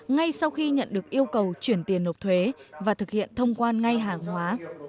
ngay sau khi nhận được yêu cầu chuyển tiền nộp thuế và thực hiện thông quan ngay hàng hóa